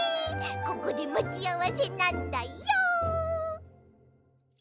ここでまちあわせなんだよ。